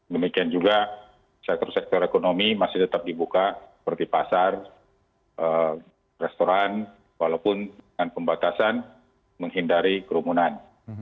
demikian juga sektor sektor ekonomi masih tetap dibuka seperti pasar restoran walaupun dengan pembatasan menghindari kerumunan